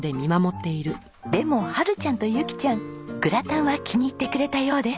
でもハルちゃんとユキちゃんグラタンは気に入ってくれたようです。